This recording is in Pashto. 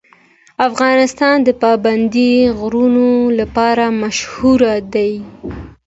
افغانستان د پابندی غرونه لپاره مشهور دی.